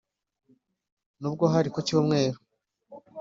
n'ubwo hari ku cyumweru